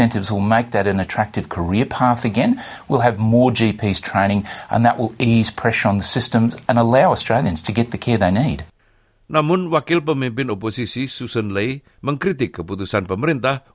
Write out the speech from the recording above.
tarif penagihan masal tahunan mencapai titik terendah